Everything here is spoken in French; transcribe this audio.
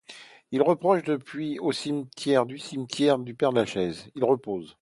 Il repose depuis au cimetière du cimetière du Père-Lachaise.